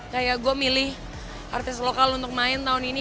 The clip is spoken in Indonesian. kayak gue milih artis lokal untuk main tahun ini